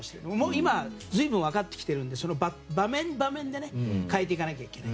今は随分分かってきているのでその場面、場面で変えていかなきゃいけない。